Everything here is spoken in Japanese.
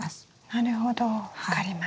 なるほど分かりました。